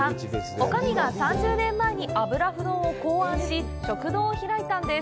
おかみが３０年前に油麩丼を考案し食堂を開いたんです。